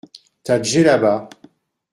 Ta djellaba.